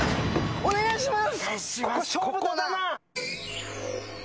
お願いします！